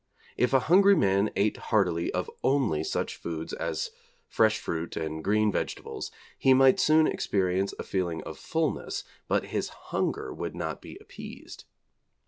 If a hungry man ate heartily of only such foods as fresh fruit and green vegetables he might soon experience a feeling of fulness, but his hunger would not be appeased.